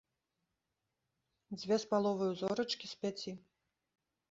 Дзве з паловаю зорачкі з пяці.